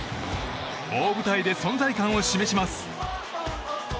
大舞台で存在感を示します。